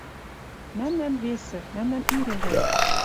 «Мӓмнӓн — весӹ, мӓмнӓн ире вӹр».